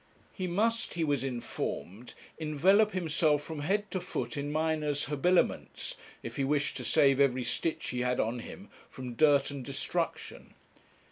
He must, he was informed, envelop himself from head to foot in miner's habiliments, if he wished to save every stitch he had on him from dirt and destruction.